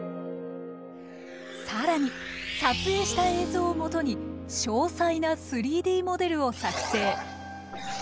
更に撮影した映像を基に詳細な３Ｄモデルを作成。